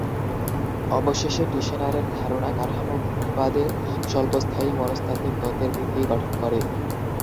অবশেষে টিশেনারের ধারণা কাঠামোবাদের স্বল্পস্থায়ী মনস্তাত্ত্বিক তত্ত্বের ভিত্তি গঠন করে।